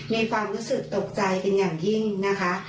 ในความรู้สึกตกใจเป็นอย่างยิ่งนะคะ